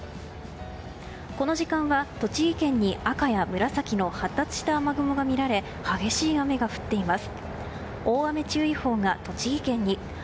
この時間は栃木県に赤や紫の発達した雨雲があり激しい雨が降っています。